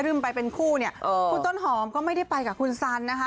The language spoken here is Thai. รื่มไปเป็นคู่เนี้ยอ่าคุณต้นหอมก็ไม่ได้ไปกับคุณซันน่ะนะคะ